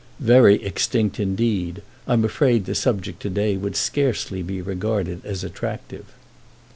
"Very extinct indeed. I'm afraid the subject today would scarcely be regarded as attractive."